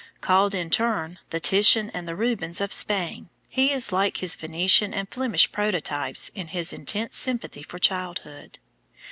Called in turn the Titian and the Rubens of Spain, he is like his Venetian and Flemish prototypes in his intense sympathy for childhood.